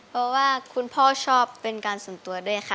เพราะว่าคุณพ่อชอบเป็นการส่วนตัวด้วยค่ะ